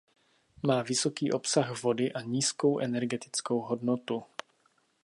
Má vysoký obsah vody a nízkou energetickou hodnotu.